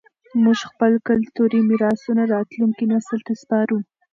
موږ خپل کلتوري میراثونه راتلونکي نسل ته سپارو.